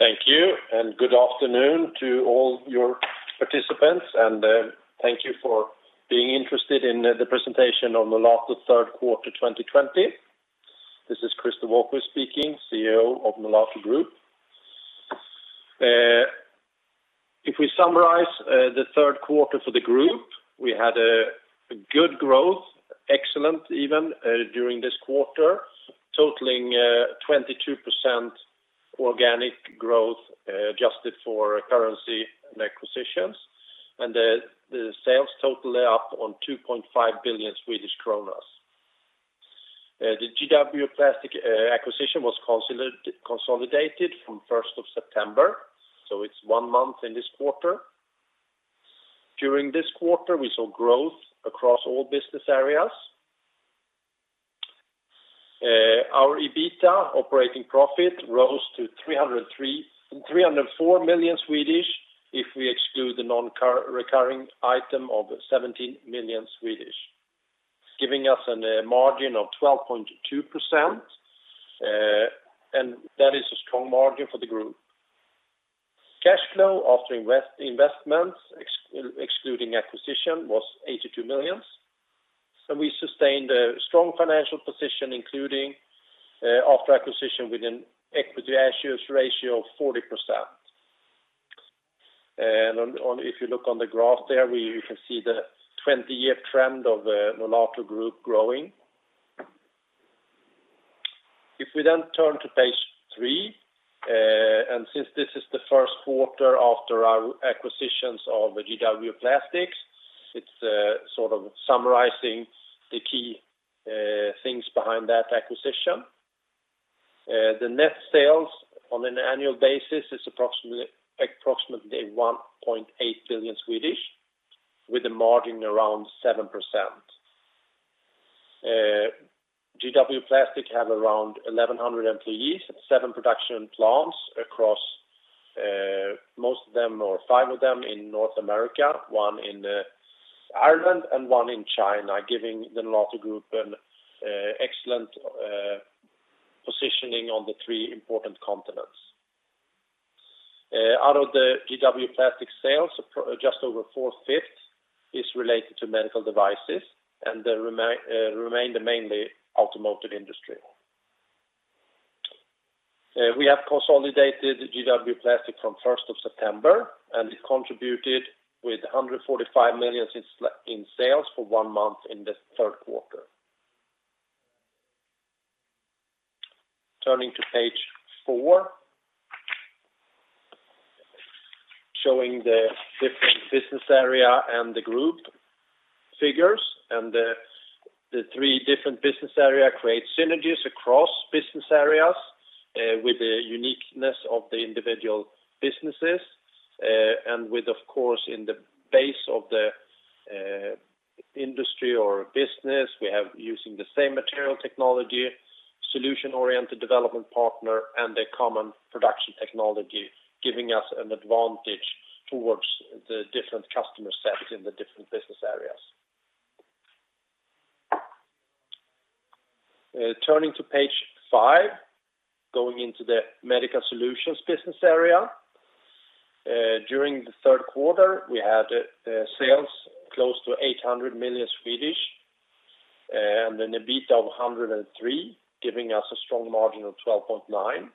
Thank you, and good afternoon to all your participants, and thank you for being interested in the presentation on Nolato third quarter 2020. This is Christer Wahlquist speaking, CEO of Nolato Group. If we summarize the third quarter for the group, we had a good growth, excellent even, during this quarter, totaling 22% organic growth, adjusted for currency and acquisitions. The sales totally up on 2.5 billion Swedish kronor. The GW Plastics acquisition was consolidated from 1st of September, so it's one month in this quarter. During this quarter, we saw growth across all business areas. Our EBITDA operating profit rose to 304 million, if we exclude the non-recurring item of 17 million, giving us a margin of 12.2%. That is a strong margin for the group. Cash flow after investments, excluding acquisition, was 82 million We sustained a strong financial position, including after acquisition with an equity ratio of 40%. If you look on the graph there, where you can see the 20-year trend of Nolato Group growing. If we then turn to page three, since this is the first quarter after our acquisitions of the GW Plastics, it's sort of summarizing the key things behind that acquisition. The net sales on an annual basis is approximately 1.8 billion, with a margin around 7%. GW Plastics have around 1,100 employees at seven production plants across, most of them, or five of them in North America, one in Ireland and one in China, giving the Nolato Group an excellent positioning on the three important continents. Out of the GW Plastics sales, just over four-fifths is related to medical devices, and the remainder mainly automotive industry. We have consolidated GW Plastics from 1st of September. It contributed with 145 million SEK in sales for one month in the third quarter. Turning to page four, showing the different business area and the group figures. The three different business area create synergies across business areas with the uniqueness of the individual businesses, with, of course, in the base of the industry or business, we have using the same material technology, solution-oriented development partner, and a common production technology, giving us an advantage towards the different customer sets in the different business areas. Turning to page five, going into the Medical Solutions business area. During the third quarter, we had sales close to 800 million. An EBITDA of 103 million, giving us a strong margin of 12.9%.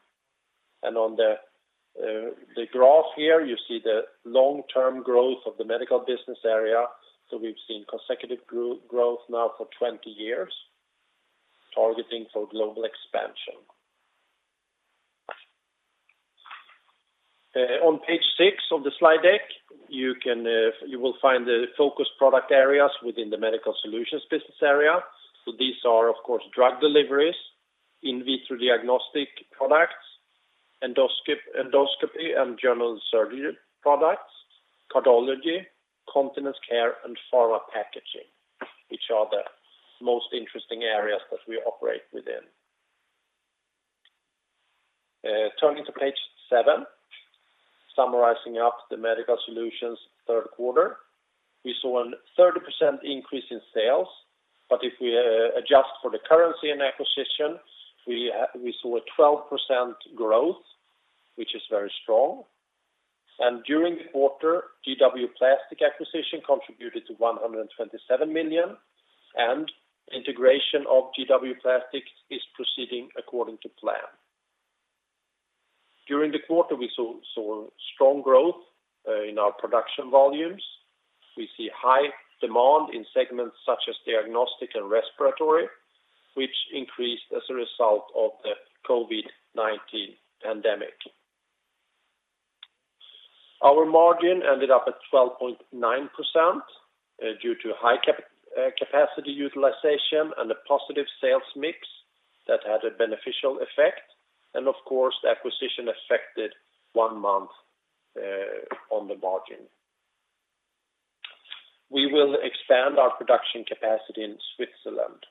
On the graph here, you see the long-term growth of the medical business area. We've seen consecutive growth now for 20 years, targeting for global expansion. On page six of the slide deck, you will find the focus product areas within the Medical Solutions business area. These are, of course, drug deliveries, in vitro diagnostic products, endoscopy and general surgery products, cardiology, continence care, and pharma packaging, which are the most interesting areas that we operate within. Turning to page seven, summarizing up the Medical Solutions third quarter. We saw a 30% increase in sales, but if we adjust for the currency and acquisition, we saw a 12% growth, which is very strong. During the quarter, GW Plastics acquisition contributed 127 million, and integration of GW Plastics is proceeding according to plan. During the quarter, we saw strong growth in our production volumes. We see high demand in segments such as diagnostic and respiratory, which increased as a result of the COVID-19 pandemic. Our margin ended up at 12.9% due to high capacity utilization and a positive sales mix that had a beneficial effect. Of course, the acquisition affected one month on the margin. We will expand our production capacity in Switzerland.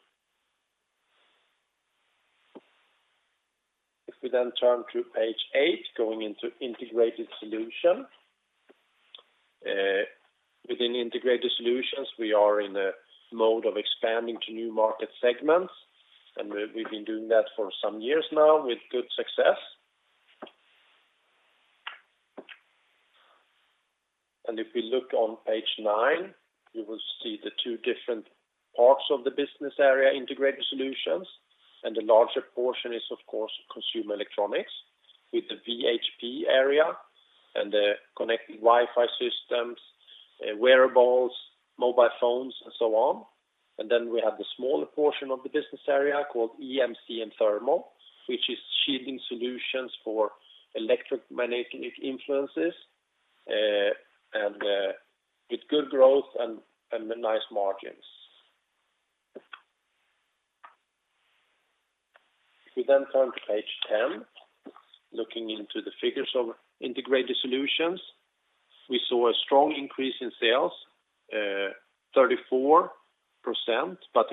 Within Integrated Solutions, we are in a mode of expanding to new market segments, and we've been doing that for some years now with good success. If we look on page nine, you will see the two different parts of the business area Integrated Solutions, and the larger portion is, of course, consumer electronics with the VHP area and the connected Wi-Fi systems, wearables, mobile phones, and so on. We have the smaller portion of the business area called EMC and Thermal, which is shielding solutions for electromagnetic influences, and with good growth and nice margins. If we turn to page 10, looking into the figures of Integrated Solutions, we saw a strong increase in sales, 34%.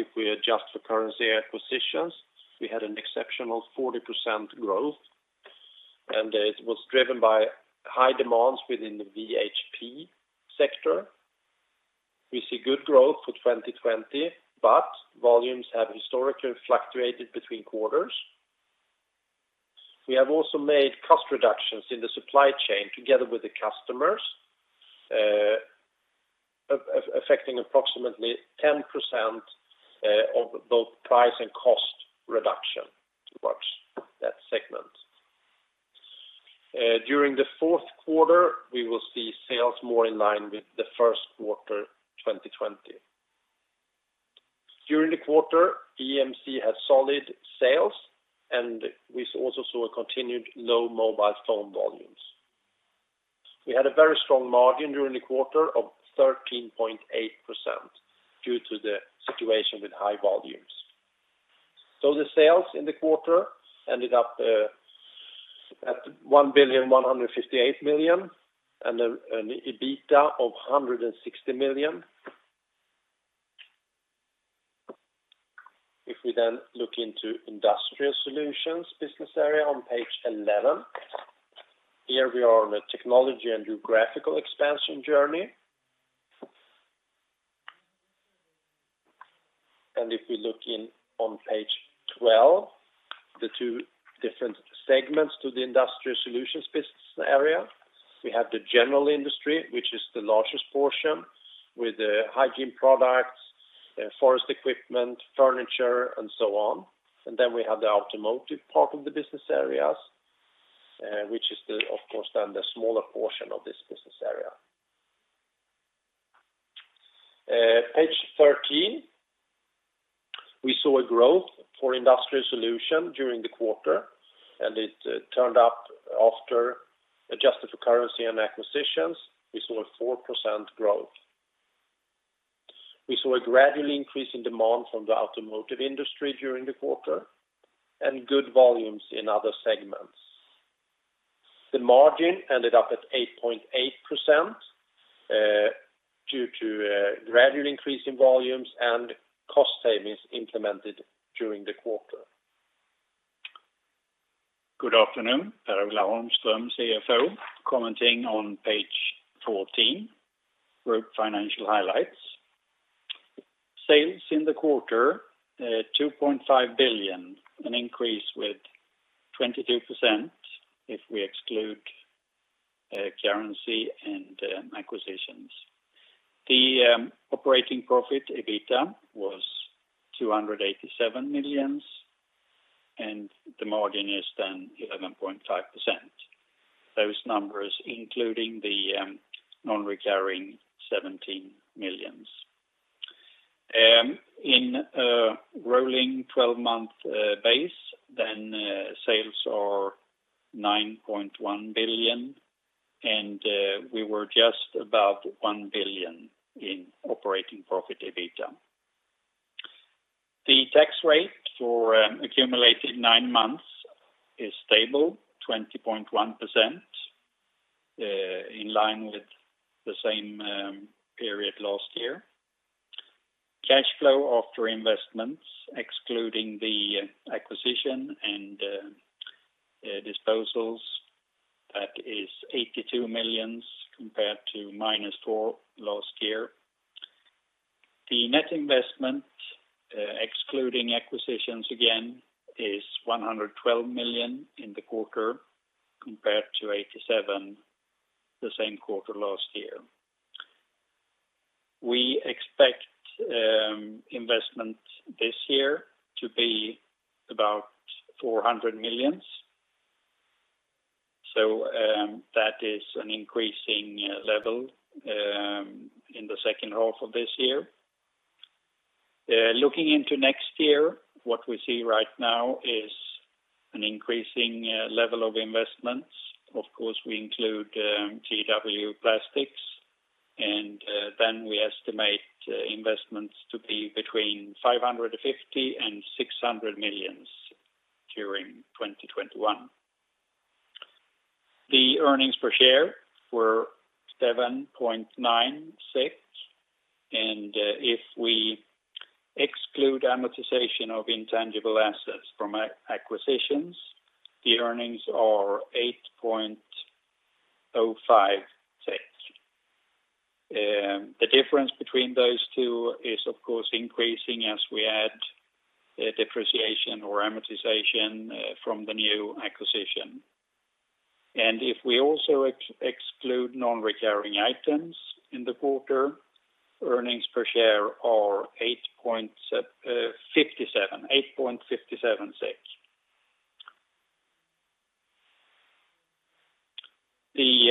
If we adjust for currency acquisitions, we had an exceptional 40% growth, and it was driven by high demands within the VHP sector. We see good growth for 2020, volumes have historically fluctuated between quarters. We have also made cost reductions in the supply chain together with the customers, affecting approximately 10% of both price and cost reduction towards that segment. During the fourth quarter, we will see sales more in line with the first quarter 2020. During the quarter, EMC had solid sales, we also saw a continued low mobile phone volumes. We had a very strong margin during the quarter of 13.8% due to the situation with high volumes. The sales in the quarter ended up at 1,158 million, and an EBITDA of 160 million. If we look into Industrial Solutions business area on page 11, here we are on a technology and geographical expansion journey. If we look in on page 12, the two different segments to the Industrial Solutions business area. We have the general industry, which is the largest portion, with the hygiene products, forest equipment, furniture, and so on. We have the automotive part of the business areas, which is, of course, the smaller portion of this business area. Page 13, we saw a growth for Industrial Solutions during the quarter, it turned up after adjusted for currency and acquisitions. We saw a 4% growth. We saw a gradual increase in demand from the automotive industry during the quarter and good volumes in other segments. The margin ended up at 8.8% due to a gradual increase in volumes and cost savings implemented during the quarter. Good afternoon. Per-Ola Holmström, CFO, commenting on page 14, group financial highlights. Sales in the quarter, 2.5 billion, an increase with 22% if we exclude currency and acquisitions. The operating profit, EBITDA, was 287 million. The margin is then 11.5%. Those numbers including the non-recurring SEK 17 million. In a rolling 12-month base, sales are 9.1 billion. We were just about 1 billion in operating profit EBITDA. The tax rate for accumulated nine months is stable, 20.1%, in line with the same period last year. Cash flow after investments, excluding the acquisition and disposals, that is 82 million compared to -4 last year. The net investment, excluding acquisitions again, is 112 million in the quarter compared to 87 the same quarter last year. We expect investment this year to be about SEK 400 million. That is an increasing level in the second half of this year. Looking into next year, what we see right now is an increasing level of investments. Of course, we include GW Plastics, and then we estimate investments to be between 550 million and 600 million during 2021. The earnings per share were 7.96. If we exclude amortization of intangible assets from acquisitions, the earnings are 8.05. The difference between those two is, of course, increasing as we add depreciation or amortization from the new acquisition. If we also exclude non-recurring items in the quarter, earnings per share are 8.57. The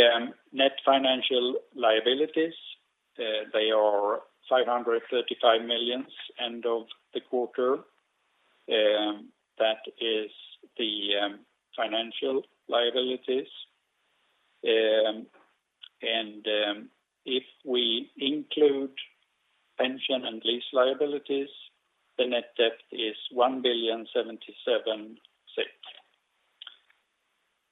net financial liabilities, they are 535 million end of the quarter. That is the financial liabilities. If we include pension and lease liabilities, the net debt is 1,000,077,000.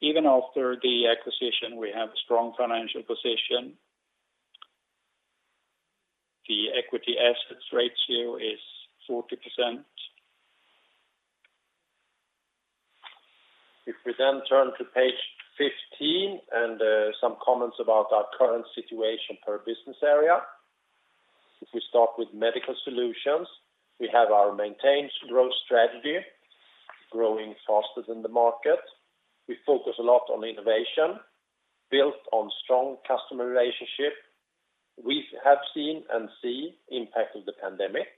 Even after the acquisition, we have a strong financial position. The equity assets ratio is 40%. If we turn to page 15, and some comments about our current situation per business area. If we start with Medical Solutions, we have our maintained growth strategy growing faster than the market. We focus a lot on innovation, built on strong customer relationship. We have seen and see impact of the pandemic,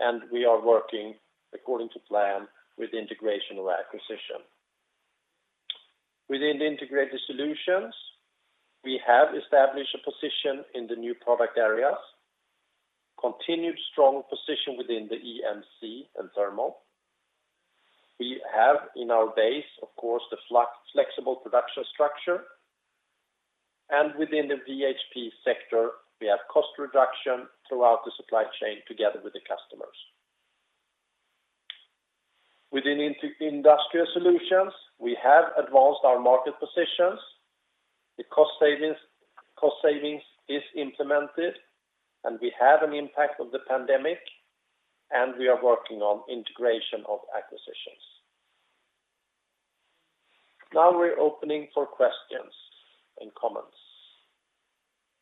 and we are working according to plan with integration of acquisition. Within the Integrated Solutions, we have established a position in the new product areas, continued strong position within the EMC and Thermal. We have in our base, of course, the flexible production structure. Within the VHP sector, we have cost reduction throughout the supply chain together with the customers. Within Industrial Solutions, we have advanced our market positions. The cost savings is implemented, and we have an impact of the pandemic, and we are working on integration of acquisitions. Now we're opening for questions and comments.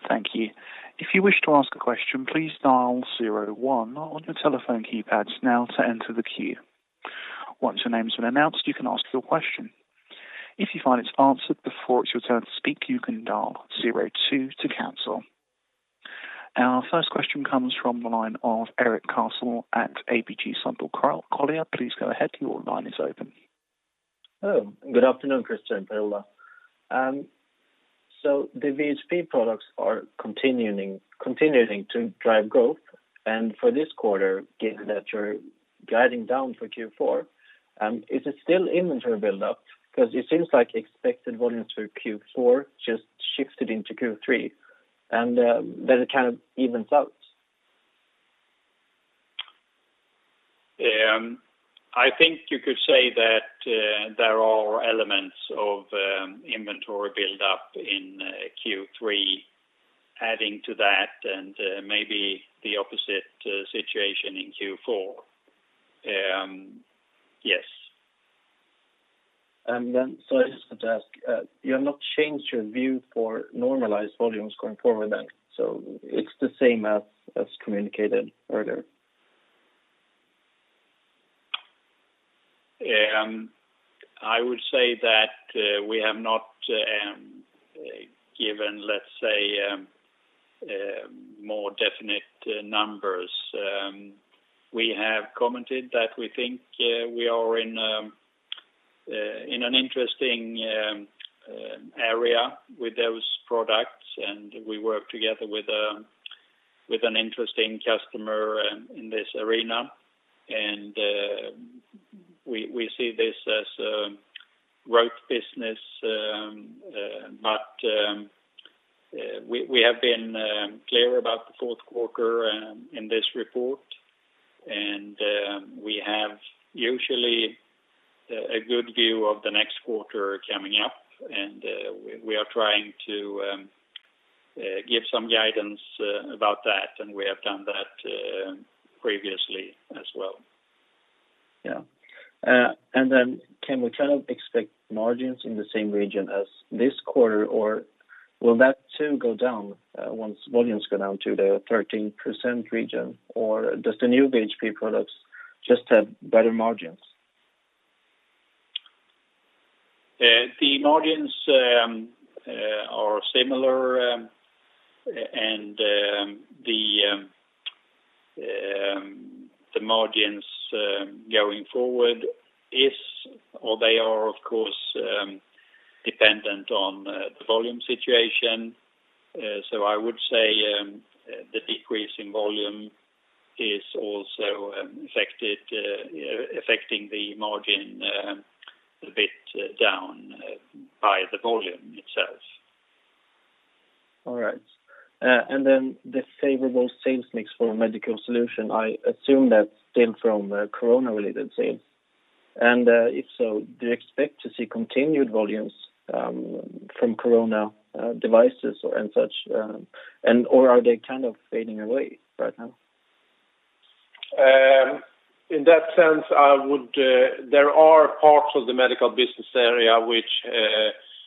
Thank you. If you wish to ask a question, please dial zero one on your telephone keypads now to enter the queue. Once your name has been announced, you can ask your question. If you find it's answered before it's your turn to speak, you can dial zero two to cancel. Our first question comes from the line of Erik Cassel at ABG Sundal Collier. Please go ahead. Your line is open. Hello. Good afternoon, Christer and Per-Ola. The VHP products are continuing to drive growth. For this quarter, given that you're guiding down for Q4, is it still inventory build up? It seems like expected volumes for Q4 just shifted into Q3, and then it kind of evens out. I think you could say that there are elements of inventory build up in Q3 adding to that, and maybe the opposite situation in Q4. Yes. I just want to ask, you have not changed your view for normalized volumes going forward then. Is it the same as communicated earlier? I would say that we have not given, let's say, more definite numbers. We have commented that we think we are in an interesting area with those products, and we work together with an interesting customer in this arena, and we see this as growth business. We have been clear about the fourth quarter in this report, and we have usually a good view of the next quarter coming up, and we are trying to give some guidance about that, and we have done that previously as well. Yeah. Can we kind of expect margins in the same region as this quarter, or will that too go down once volumes go down to the 13% region? Does the new VHP products just have better margins? The margins are similar, and the margins going forward, they are, of course, dependent on the volume situation. I would say the decrease in volume is also affecting the margin a bit down by the volume itself. All right. Then the favorable sales mix for Medical Solutions, I assume that's still from Corona-related sales. If so, do you expect to see continued volumes from Corona devices and such, or are they kind of fading away right now? In that sense, there are parts of the Medical Solutions which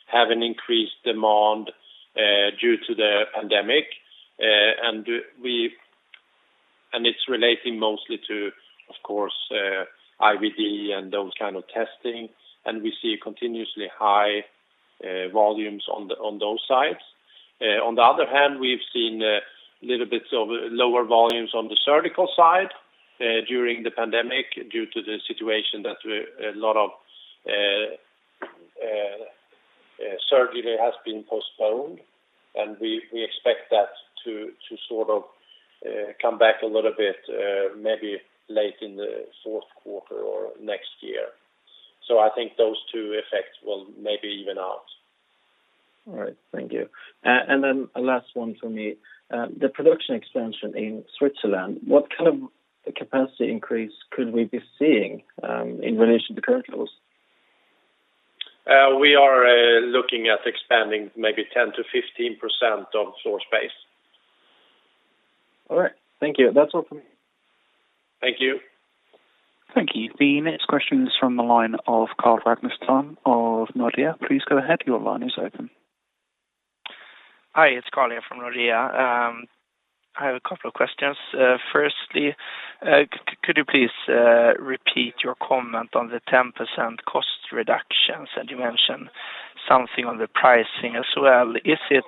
have an increased demand due to the pandemic. It's relating mostly to, of course, IVD and those kind of testing. We see continuously high volumes on those sides. On the other hand, we've seen a little bit of lower volumes on the surgical side during the pandemic due to the situation that a lot of surgery has been postponed, and we expect that to sort of come back a little bit maybe late in the fourth quarter or next year. I think those two effects will maybe even out. All right. Thank you. A last one for me. The production expansion in Switzerland, what kind of capacity increase could we be seeing in relation to current levels? We are looking at expanding maybe 10%-15% of floor space. All right. Thank you. That's all for me. Thank you. Thank you. The next question is from the line of Carl Magnus Tronn of Nordea. Please go ahead. Your line is open. Hi, it's Carl. I am from Nordea. I have a couple of questions. Firstly, could you please repeat your comment on the 10% cost reductions? You mentioned something on the pricing as well. Is it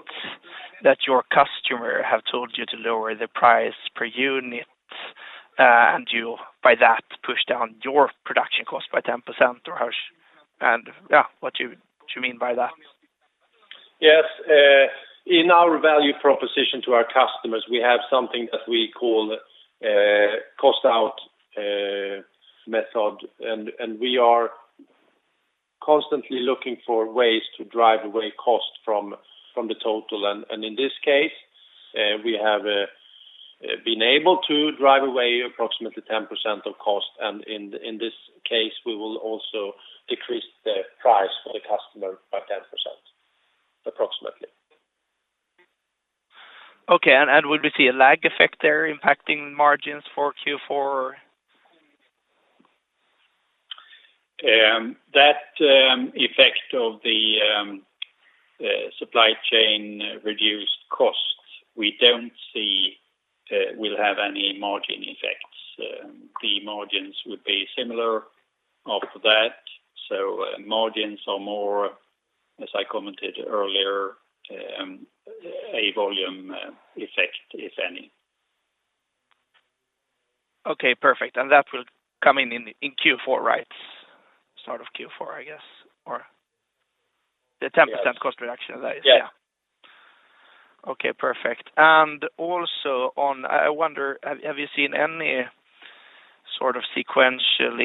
that your customer have told you to lower the price per unit, and you by that push down your production cost by 10%? What do you mean by that? Yes. In our value proposition to our customers, we have something that we call cost out method. We are constantly looking for ways to drive away cost from the total. In this case, we have been able to drive away approximately 10% of cost, and in this case, we will also decrease the price for the customer by 10%, approximately. Okay. Would we see a lag effect there impacting margins for Q4? That effect of the supply chain reduced costs, we don't see will have any margin effects. The margins would be similar after that. Margins are more, as I commented earlier, a volume effect, if any. Okay, perfect. That will come in in Q4, right? Start of Q4, I guess, or the 10% cost reduction that is. Yeah. Okay, perfect. Also I wonder, have you seen any sort of sequential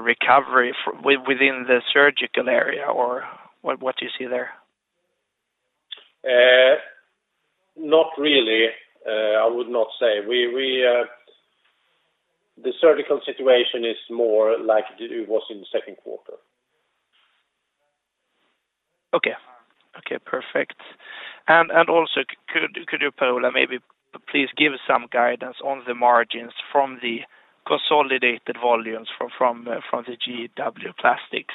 recovery within the surgical area, or what do you see there? Not really. I would not say. The surgical situation is more like it was in the second quarter. Okay. Perfect. Also could you, Per-Ola, maybe please give some guidance on the margins from the consolidated volumes from the GW Plastics?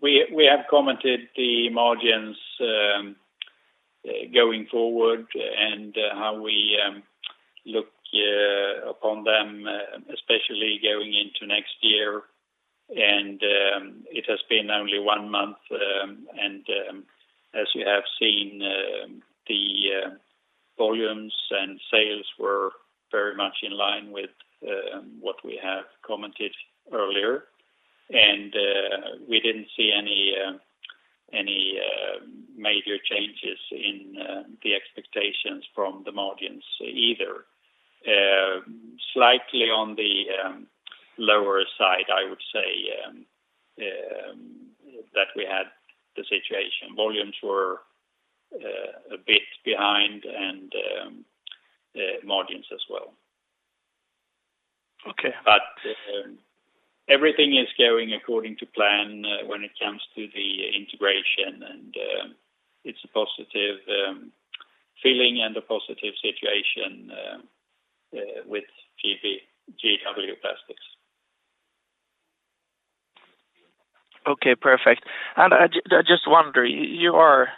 We have commented the margins going forward and how we look upon them, especially going into next year. It has been only one month, and as you have seen, the volumes and sales were very much in line with what we have commented earlier. We didn't see any major changes in the expectations from the margins either. Slightly on the lower side, I would say, that we had the situation. Volumes were a bit behind and margins as well. Okay. Everything is going according to plan when it comes to the integration, and it's a positive feeling and a positive situation with GW Plastics. Okay, perfect. I just wonder, you are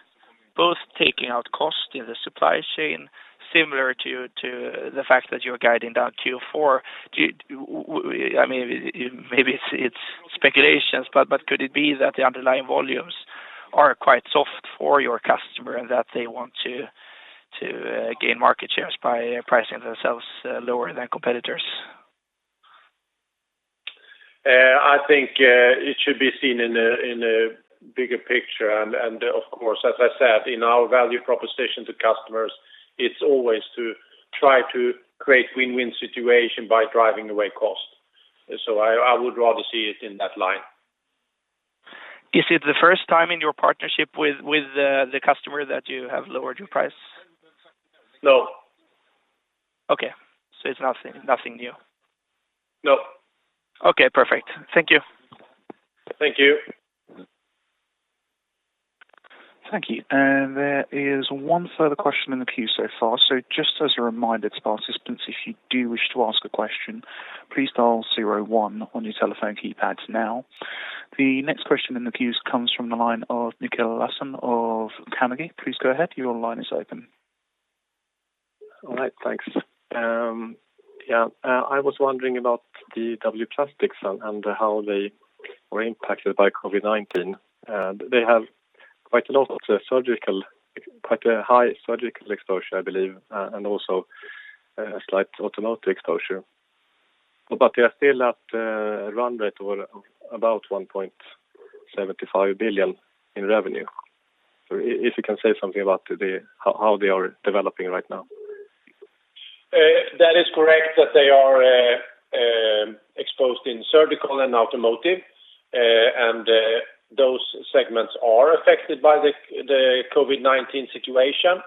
both taking out cost in the supply chain similar to the fact that you're guiding down Q4. Maybe it's speculations, but could it be that the underlying volumes are quite soft for your customer and that they want to gain market shares by pricing themselves lower than competitors? I think it should be seen in a bigger picture, and of course, as I said, in our value proposition to customers, it's always to try to create win-win situation by driving away cost. I would rather see it in that line. Is it the first time in your partnership with the customer that you have lowered your price? No. Okay. It's nothing new. No. Okay, perfect. Thank you. Thank you. Thank you. There is one further question in the queue so far. Just as a reminder to participants, if you do wish to ask a question, please dial zero one on your telephone keypads now. The next question in the queues comes from the line of Nikhil Hassan of Carnegie. Please go ahead. Your line is open. All right. Thanks. I was wondering about the GW Plastics and how they were impacted by COVID-19. They have quite a high surgical exposure, I believe, and also a slight automotive exposure. They are still at a run rate of about 1.75 billion in revenue. If you can say something about how they are developing right now. That is correct that they are exposed in surgical and automotive. Those segments are affected by the COVID-19 situation.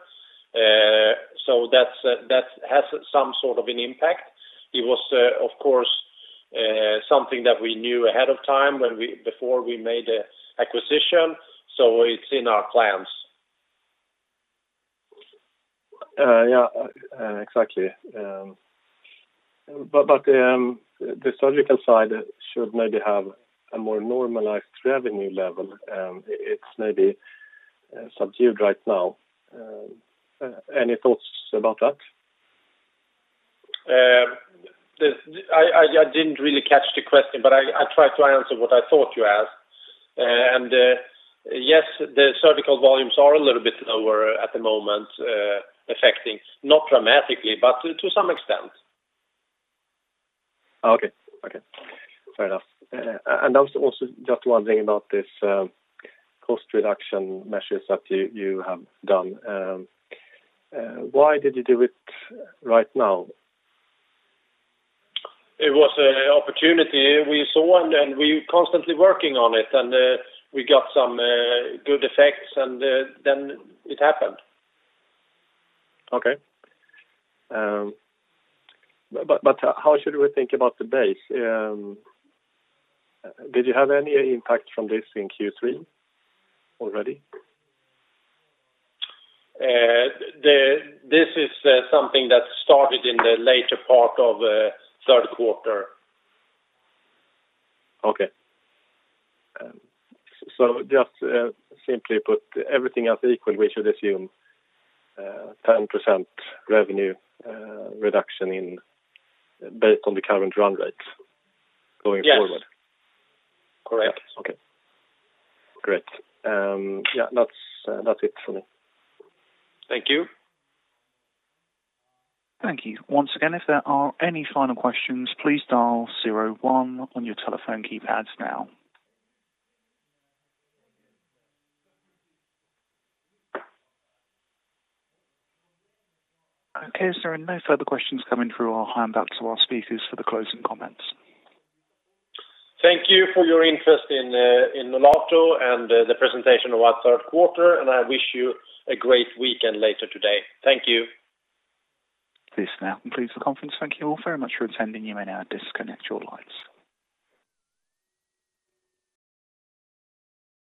That has some sort of an impact. It was, of course, something that we knew ahead of time before we made the acquisition. It's in our plans. Yeah, exactly. The surgical side should maybe have a more normalized revenue level. It's maybe subdued right now. Any thoughts about that? I didn't really catch the question, but I try to answer what I thought you asked. Yes, the surgical volumes are a little bit lower at the moment, affecting, not dramatically, but to some extent. Okay. Fair enough. I was also just wondering about this cost reduction measures that you have done. Why did you do it right now? It was an opportunity we saw, and we constantly working on it, and we got some good effects, and then it happened. Okay. How should we think about the base? Did you have any impact from this in Q3 already? This is something that started in the later part of third quarter. Okay. Just simply put everything else equal, we should assume 10% revenue reduction based on the current run rates going forward? Yes. Correct. Okay, great. That's it for me. Thank you. Thank you. Okay, no further questions coming through. I'll hand back to our speakers for the closing comments. Thank you for your interest in Nolato and the presentation of our third quarter, and I wish you a great weekend later today. Thank you. This now concludes the conference. Thank you all very much for attending. You may now disconnect your lines.